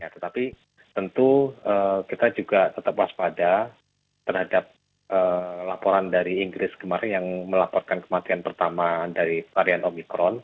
tetapi tentu kita juga tetap waspada terhadap laporan dari inggris kemarin yang melaporkan kematian pertama dari varian omikron